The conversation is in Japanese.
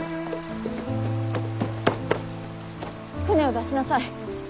舟を出しなさい。